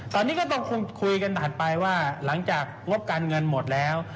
ตอนนี้ก็ต้องคงคุยกันถัดไปว่าหลังจากงบการเงินหมดแล้ว